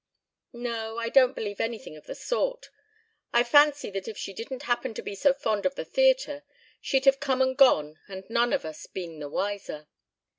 "No. I don't believe anything of the sort. I fancy that if she didn't happen to be so fond of the theatre she'd have come and gone and none of us been the wiser.